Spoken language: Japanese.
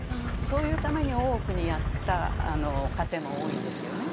そういうために大奥にやった家庭も多いんですよね。